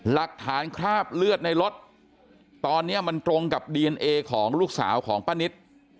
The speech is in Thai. หลักฐานคราบเลือดในรถตอนนี้มันตรงกับดีเอนเอของลูกสาวของป้านิต